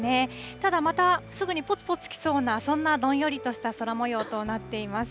ただ、またすぐにぽつぽつ来そうな、そんなどんよりとした空もようとなっています。